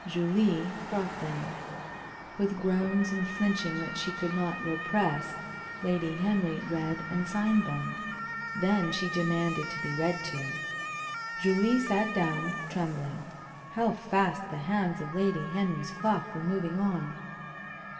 Julie brought them. With groans and flinchings that she could not repress, Lady Henry read and signed them. Then she demanded to be read to. Julie sat down, trembling. How fast the hands of Lady Henry's clock were moving on!